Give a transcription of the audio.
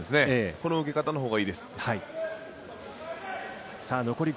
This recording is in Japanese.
この受け方のほうがいいです。